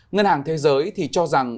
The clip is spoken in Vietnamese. ngân hàng thế giới cho rằng